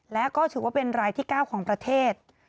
และก็ถือว่าเป็นรายที่๙ของประเทศ